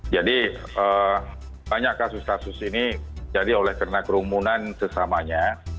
jadi banyak kasus kasus ini jadi oleh kerumunan sesamanya